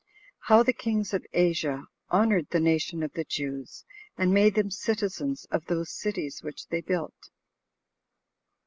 How The Kings Of Asia Honored The Nation Of The Jews And Made Them Citizens Of Those Cities Which They Built.